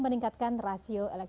terima kasih pak